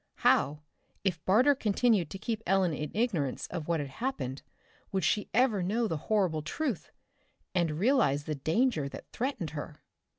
How, if Barter continued to keep Ellen in ignorance of what had happened, would she ever know the horrible truth and realize the danger that threatened her?